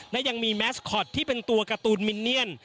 และยังมีแมสคอตที่เป็นตัวการ์ตูนมินเนียน